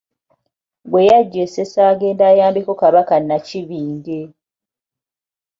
Gwe yaggya e Ssese agende ayambeko Kabaka Nakibinge.